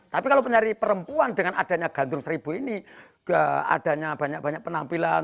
tapi kalau penyari perempuan dengan adanya gantung seribu ini adanya banyak banyak penampilan